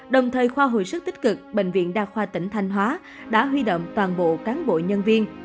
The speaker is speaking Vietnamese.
đồng thời khoa hồi sức tích cực bệnh viện đa khoa tỉnh thanh hóa đã huy động toàn bộ cán bộ nhân viên